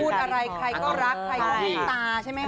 พูดอะไรใครก็รักใครเข้าพิมพ์ตาใช่ไหมครับ